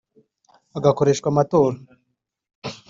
hagakoreshwa amatora